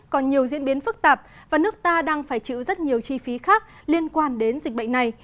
còn nhiều diễn biến phức tạp và nước ta đang phải chịu rất nhiều chi phí khác liên quan đến dịch bệnh này